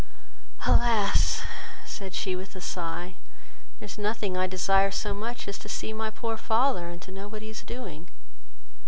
"Alas, (said she, with a sigh,) there is nothing I desire so much as to see my poor father, and to know what he is doing."